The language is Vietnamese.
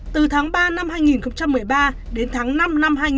từ tháng ba năm hai nghìn một mươi ba đến tháng năm năm hai nghìn hai mươi hai